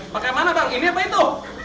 pakai mana pak ini apa itu